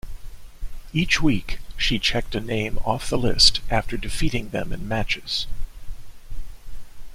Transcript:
Each week, she checked a name off the list after defeating them in matches.